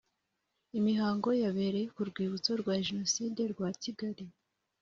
Imihango yabereye ku Rwibutso rwa Jenoside rwa Kigali